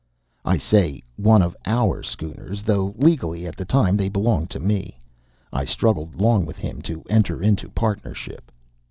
I say one of OUR schooners, though legally at the time they belonged to me. I struggled long with him to enter into partnership.